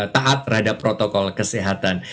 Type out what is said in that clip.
taat terhadap protokol kesehatan